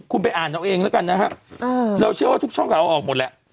คุณไปอ่านเอาเองแล้วกันนะฮะเราเชื่อว่าทุกช่องก็เอาออกหมดแหละ